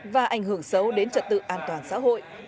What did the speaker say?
và ảnh hưởng xấu đến trật tự an toàn xã hội